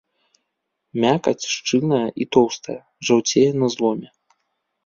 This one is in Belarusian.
Мякаць шчыльная і тоўстая, жаўцее на зломе.